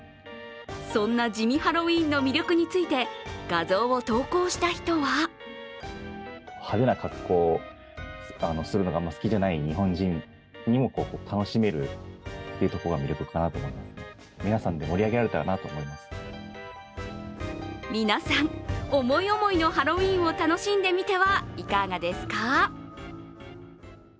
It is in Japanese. そんな地味ハロウィーンの魅力について画像を投稿した人は皆さん、思い思いのハロウィーンを楽しんでみてはいかがですか？